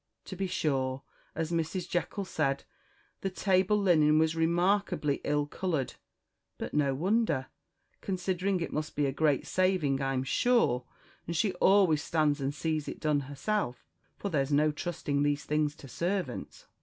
To be sure, as Mrs Jekyll said, the table linen was remarkably ill coloured but no wonder, considering it must be a great saving, I'm sure and she always stands and sees it done herself, for there's no trusting these things to servants.